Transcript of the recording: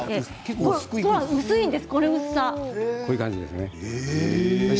薄いんです。